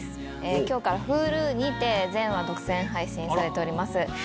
今日からＨｕｌｕにて全話独占配信されております。